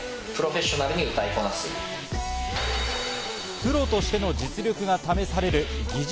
プロとしての実力が試される擬似